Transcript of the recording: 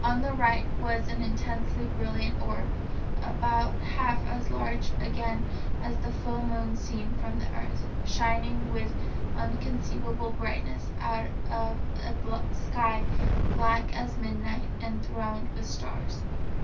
On the right was an intensely brilliant orb, about half as large again as the full moon seen from the earth, shining with inconceivable brightness out of a sky black as midnight and thronged with stars.